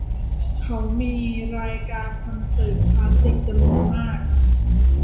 เขามีรายการคอนเสิร์ตคลาสสิกจำนวนมาก